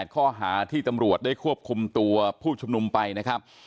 ข้อหาที่ตำรวจได้ควบคุมตัวผู้ชุมนุมไปนะครับ